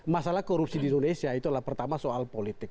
masalah korupsi di indonesia itu adalah pertama soal politik